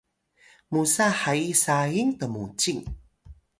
musa hayi saying tmucing